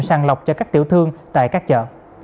sàng lọc cho các tiểu thương tại các chợ